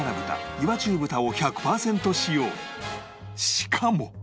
しかも